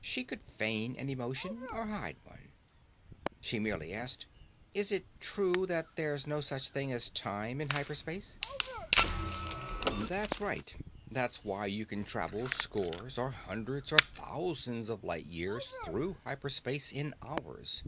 She could feign an emotion or hide one. She merely asked: "Is it true that there's no such thing as time in hyper space?" "That's right. That's why you can travel scores or hundreds or thousands of light years through hyper space in hours.